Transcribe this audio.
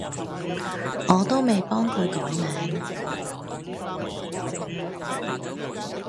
我都未幫佢改名